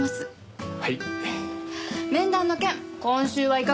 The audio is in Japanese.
はい。